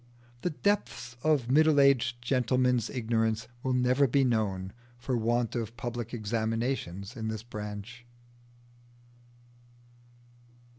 The depths of middle aged gentlemen's ignorance will never be known, for want of public examinations in this branch.